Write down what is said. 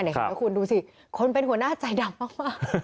เห็นไหมคุณดูสิคนเป็นหัวหน้าใจดำมาก